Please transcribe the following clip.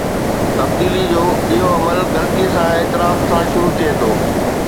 تبديلي جو اهو عمل غلطي جي اعتراف سان شروع ٿئي ٿو.